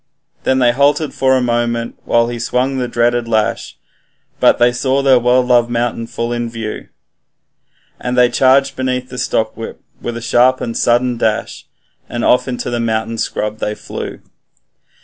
Then they halted for a moment, while he swung the dreaded lash, But they saw their well loved mountain full in view, And they charged beneath the stockwhip with a sharp and sudden dash, And off into the mountain scrub they flew.